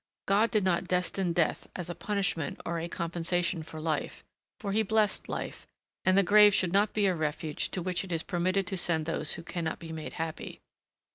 God did not destine death as a punishment or a compensation for life; for he blessed life, and the grave should not be a refuge to which it is permitted to send those who cannot be made happy.